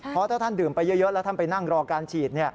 เพราะถ้าท่านดื่มไปเยอะแล้วท่านไปนั่งรอการฉีด